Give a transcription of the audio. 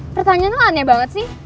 pertanyaan tuh aneh banget sih